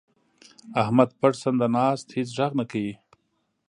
احمد پړسنده ناست؛ هيڅ ږغ نه کوي.